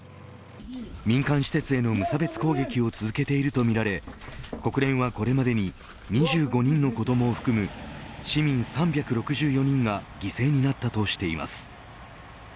民間施設への無差別攻撃を続けているとみられ国連はこれまでに２５人の子どもを含む市民３６４人が犠牲になったとしています。